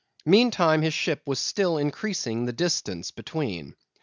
Meantime his ship was still increasing the distance between.